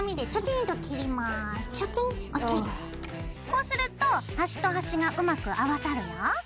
こうすると端と端がうまく合わさるよ。